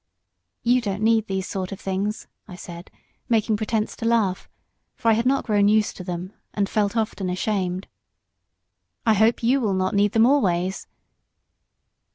"You don't need those sort of things," I said, making pretence to laugh, for I had not grown used to them, and felt often ashamed. "I hope you will not need them always."